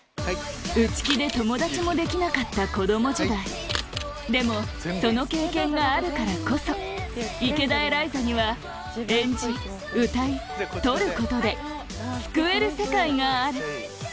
内気で友達もできなかった子供時代でもその経験があるからこそ池田エライザには演じ歌い撮ることで救える世界がある！